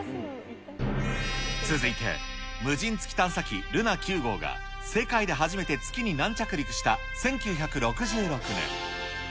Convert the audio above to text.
続いて、無人月探査機ルナ９号が、世界で初めて月に軟着陸した１９６６年。